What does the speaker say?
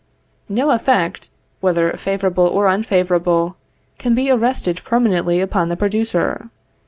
No effect, whether favorable or unfavorable, can be arrested permanently upon the producer.